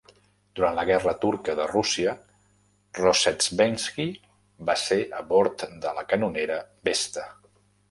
Durant la guerra turca de Rússia, Rozhestvenski va ser a bord de la canonera "Vesta".